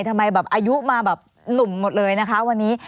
ทำไมแบบอายุมาแบบหนุ่มหมดเลยนะคะวันนี้